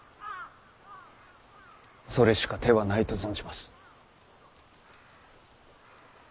それしか手はないと存じます。